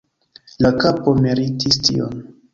La kapo meritis tion.